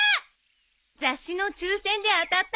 雑誌の抽選で当たったの。